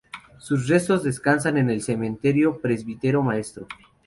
Sus restos descansan en el Cementerio Presbítero Maestro.